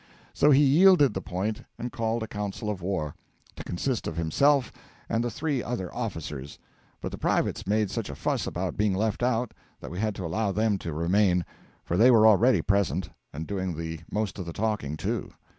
So he yielded the point and called a council of war to consist of himself and the three other officers; but the privates made such a fuss about being left out, that we had to allow them to remain, for they were already present, and doing the most of the talking too.